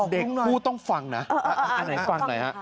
เด็กผู้ต้องฟังนะ